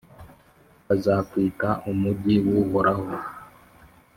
bazakwita «umugi w’uhoraho»,